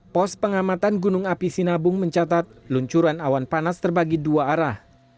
pos pengamatan gunung api sinabung mencatat luncuran awan panas terbagi dua arah